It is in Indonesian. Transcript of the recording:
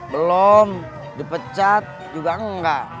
belom dipecat juga enggak